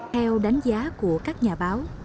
theo đánh giá của các nhà báo